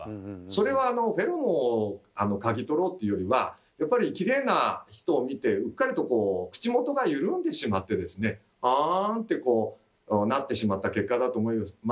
それはあのフェロモンを嗅ぎ取ろうというよりはやっぱりきれいな人を見てうっかりとこうあんってこうなってしまった結果だと思います。